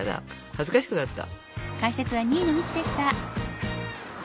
恥ずかしくなった。